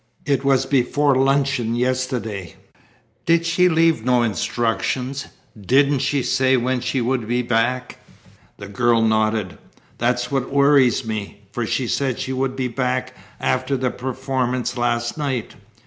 "It was before luncheon yesterday." "Did she leave no instructions? Didn't she say when she would be back?" The girl nodded. "That's what worries me, for she said she would be back after the performance last night."